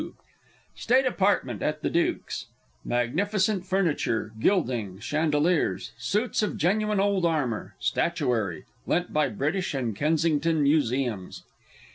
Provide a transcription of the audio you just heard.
State Apartment at the Duke's. _Magnificent furniture, gilding, chandeliers. Suits of genuine old armour. Statuary (lent by British and Kensington Museums).